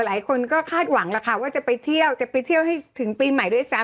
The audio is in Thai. หลายคนก็คาดหวังแล้วค่ะว่าจะไปเที่ยวจะไปเที่ยวให้ถึงปีใหม่ด้วยซ้ำ